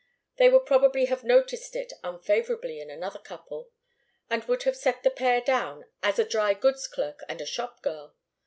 They would probably have noticed it unfavourably in another couple, and would have set the pair down as a dry goods clerk and a shopgirl.